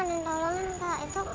ada yang tolong itu